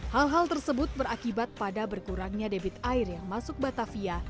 hal hal tersebut berakibat pada berkurangnya debit air yang masuk batavia